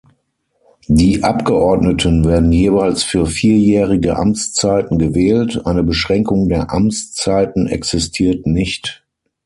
Die Abgeordneten werden jeweils für vierjährige Amtszeiten gewählt; eine Beschränkung der Amtszeiten existiert nicht.